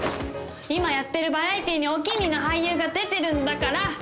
今やってるバラエティにお気にの俳優が出てるんだから！